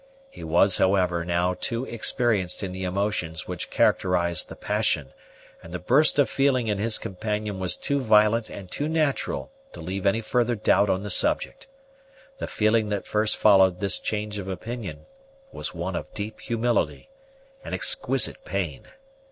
He was, however, now too experienced in the emotions which characterize the passion; and the burst of feeling in his companion was too violent and too natural to leave any further doubt on the subject. The feeling that first followed this change of opinion was one of deep humility and exquisite pain.